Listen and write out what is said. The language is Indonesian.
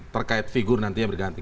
terkait figur nantinya berganti